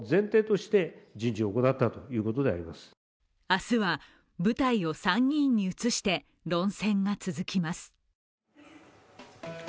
明日は舞台を参議院に移して論戦が続きます。